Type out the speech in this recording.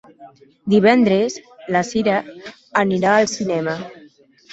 Divendres na Cira irà al cinema.